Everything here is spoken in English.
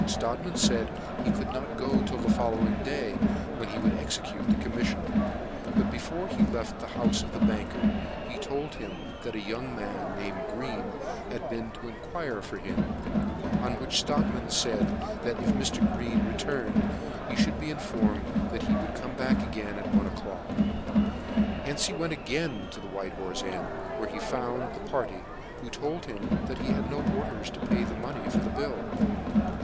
Strodtman faid he could not go till the following day, when he would execute the commiflion : but before he left the houfe the banker told him that a young man, named Green, had been to enquire for him ; on which Strodtman faid that if Mr. Green re turned, he fhould be informed that he would come back at one o'clock. Hence he went again to the White Horfe Inn, where he found the party, who told him that he had no orders to pay the money for the bill.